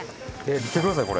見てくださいこれ。